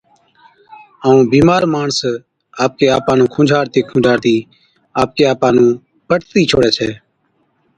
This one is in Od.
ائُون بِيمار ماڻس آپڪي آپا نُون کُنجھاڙتِي کُنجھاڙتِي آپڪي آپا نُون پٽتِي ڇوڙَي ڇَي